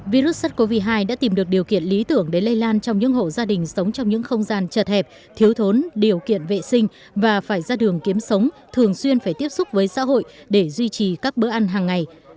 virus sars cov hai đã tìm được điều kiện lý tưởng để lây lan trong những hộ gia đình sống trong những không gian chật hẹp thiếu thốn điều kiện vệ sinh và phải ra đường kiếm sống thường xuyên phải tiếp xúc với xã hội để duy trì các bữa ăn hàng ngày